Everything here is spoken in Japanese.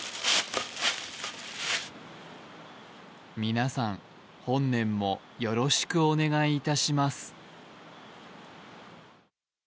皆さん、本年もよろしくお願いいたします。